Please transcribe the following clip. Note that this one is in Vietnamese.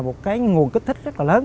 một cái nguồn kích thích rất là lớn